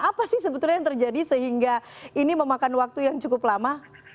apa sih sebetulnya yang terjadi sehingga ini memakan waktu yang cukup lama